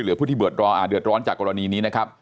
หรือเหลือผู้ที่เดือดร้อนจากกรณีนี้นะครับ